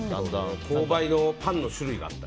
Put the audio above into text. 購買のパンの種類があった。